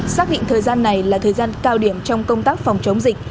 xác định thời gian này là thời gian cao điểm trong công tác phòng chống dịch